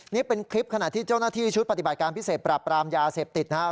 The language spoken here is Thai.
นี่เป็นคลิปขณะที่เจ้าหน้าที่ชุดปฏิบัติการพิเศษปราบปรามยาเสพติดนะครับ